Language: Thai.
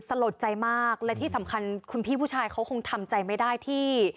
หลดใจมากและที่สำคัญคุณพี่ผู้ชายเขาคงทำใจไม่ได้ที่